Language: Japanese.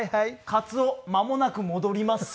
カツオまもなく戻ります。